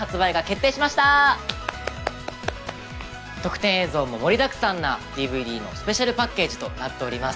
得点映像も盛りだくさんなＤＶＤのスペシャルパッケージとなっております。